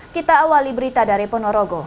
kita awali berita dari ponorogo